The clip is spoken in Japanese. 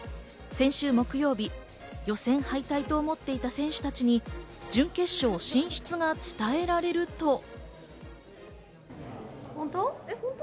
先週木曜日、予選敗退と思っていた選手たちに準決勝進出が伝えられると。